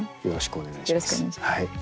よろしくお願いします。